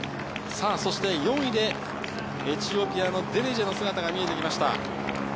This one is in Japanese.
４位でエチオピアのデレッジェの姿が見えてきました。